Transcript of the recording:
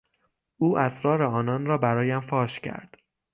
او اسرار آنان را برایم فاش کرد.